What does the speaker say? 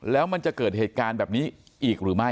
แล้วมันจะเกิดเหตุการณ์แบบนี้อีกหรือไม่